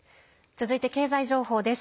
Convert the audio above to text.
続いて経済情報です。